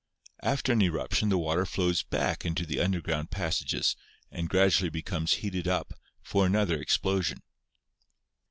After an eruption the water flows back into the underground pas sages and gradually becomes heated up for another ex plosion.